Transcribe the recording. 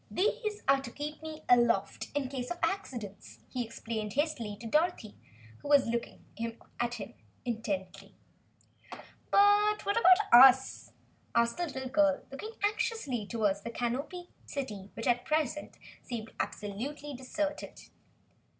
"These are just to keep me aloft in case of accidents," he explained hastily to Dorothy who was watching him intently. "But what of us?" asked the little girl, looking anxiously toward the Canopied City which, at present, seemed absolutely deserted.